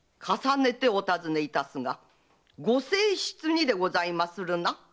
重ねてお尋ねいたすがご正室にでございまするな？